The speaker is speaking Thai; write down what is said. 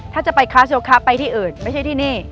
ถ้าจะไปคลาสโยคะไปที่อื่นไม่ใช่ที่นี่